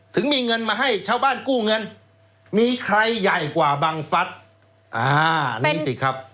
ถึงมีเงินมาให้ชาวบ้านกู้เงินมีใครใหญ่กว่าบังฟัฐอ่านี่สิครับ